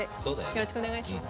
よろしくお願いします。